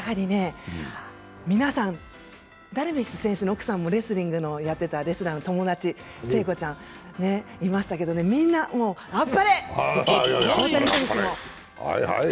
皆さん、ダルビッシュ選手の奥さんもレスリングをやってた友達、聖子ちゃん、いましたけど、みんなあっぱれ！